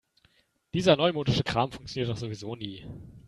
Dieser neumodische Kram funktioniert doch sowieso nie.